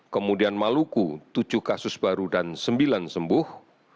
kemudian maluku tujuh kasus baru dan sembilan sembuh